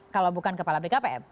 kalau bukan kepala bkpm